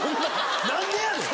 何でやねん！